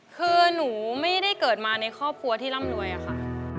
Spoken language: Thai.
คือหนูไม่ได้เกิดมาในครอบครัวที่ร่ำรวยอะค่ะ